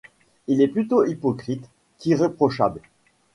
Il est plutôt hypocrite qu’irréprochable.